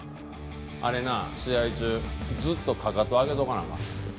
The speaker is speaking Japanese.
あれな試合中ずっとかかと上げとかなあかんねん。